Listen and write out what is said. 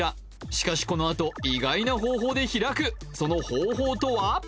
しかしこのあと意外な方法で開くその方法とは？